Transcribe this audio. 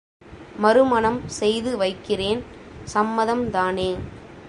மறுமணம் செய்து வைக்கிறேன் சம்மதம் தானே?